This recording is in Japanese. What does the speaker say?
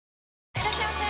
いらっしゃいませ！